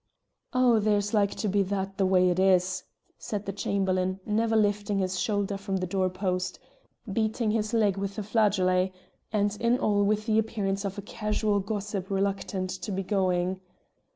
"Oh! there's like to be that the ways it is," said the Chamberlain, never lifting his shoulder from the door post, beating his leg with the flageolet, and in all with the appearance of a casual gossip reluctant to be going.